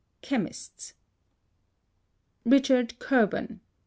CHEMISTS. Richard Kirwan (b.